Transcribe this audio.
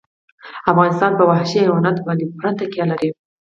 افغانستان په وحشي حیواناتو باندې پوره تکیه لري.